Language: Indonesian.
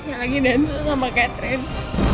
saya lagi dancel sama catherine